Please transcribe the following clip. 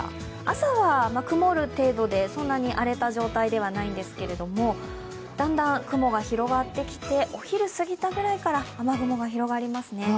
朝は曇る程度で、そんなに荒れた状態ではないんですけども、だんだん雲が広がってきてお昼すぎたくらいから雨雲が広がりますね。